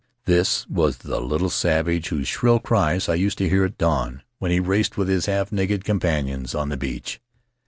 This was the little savage whose shrill cries I used to hear at dawn, when he raced with his half naked companions on the beach!